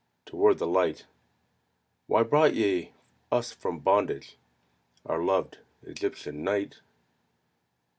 toward the light: "Why brought ye us from bondage, Our loved Egyptian night?"